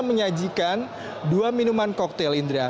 menyajikan dua minuman cocktail indra